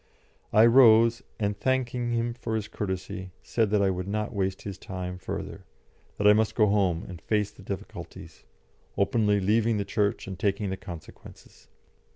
I rose, and, thanking him for his courtesy, said that I would not waste his time further, that I must go home and face the difficulties, openly leaving the Church and taking the consequences.